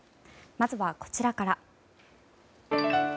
まずは、こちらから。